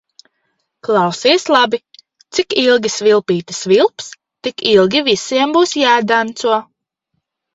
Klausies labi: cik ilgi svilpīte svilps, tik ilgi visiem būs jādanco.